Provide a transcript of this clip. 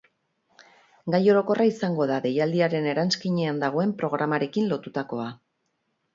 Gai orokorra izango da, deialdiaren eranskinean dagoen programarekin lotutakoa.